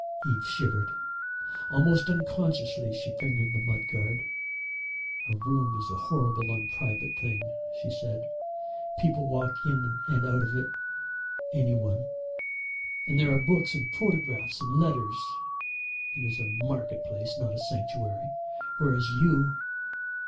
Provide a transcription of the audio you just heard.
Eve shivered. Almost unconsciously she fingered the mud guard. "A room is a horrible unprivate thing," she said. "People walk in and out of it, any one, and there are books and photographs and letters. It is a market place, not a sanctuary, whereas you...."